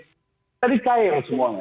tadi cair semuanya